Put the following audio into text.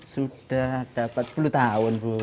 sudah dapat sepuluh tahun